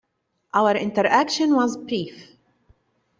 Our interaction was brief.